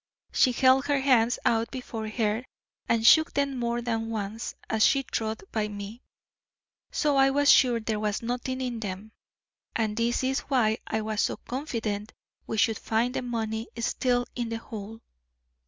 She held her hands out before her and shook them more than once as she trod by me, so I was sure there was nothing in them, and this is why I was so confident we should find the money still in the hole.